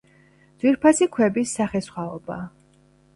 ძვირფასი ქვების სახესხვაობა.